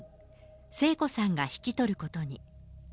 聖子さんが引き取ることに。